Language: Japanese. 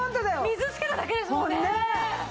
水つけただけですもんね！